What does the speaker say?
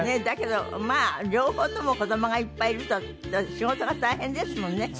だけどまあ両方とも子供がいっぱいいると仕事が大変ですもんね。